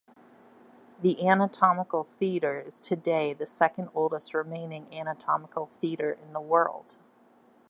The anatomical theatre is today the second oldest remaining anatomical theatre in the world.